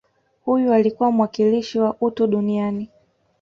Huyu alikuwa mwakilishi wa utu duniani